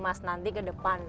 mas nanti ke depan